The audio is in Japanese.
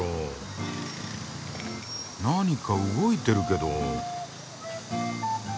何か動いてるけど。